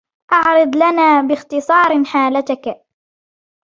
اعرض لنا باختصار حالتك